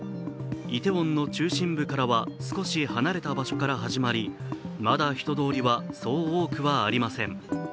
イテウォンの中心部からは少し離れたところから始まりまだ人通りは、そう多くはありません。